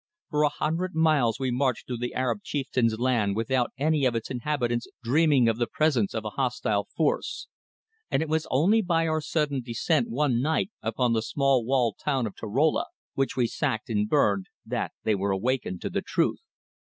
For a hundred miles we marched through the Arab chieftain's land without any of its inhabitants dreaming of the presence of a hostile force, and it was only by our sudden descent one night upon the small walled town of Torola, which we sacked and burned, that they were awakened to the truth.